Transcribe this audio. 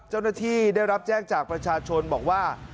เจ้าหน้าที่ได้รับแจ้งจากประชาชนบอกว่า